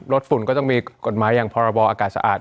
ฝุ่นก็ต้องมีกฎหมายอย่างพรบอากาศสะอาด